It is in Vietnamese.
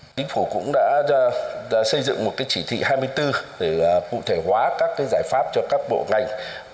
chính phủ cũng đã xây dựng một chỉ thị hai mươi bốn để cụ thể hóa các giải pháp cho các bộ ngành